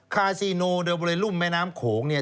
คาซีโนเดอร์เบอร์เรลุมแม่น้ำโขงเนี่ย